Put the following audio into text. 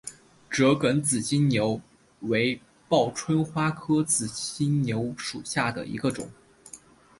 折梗紫金牛为报春花科紫金牛属下的一个种。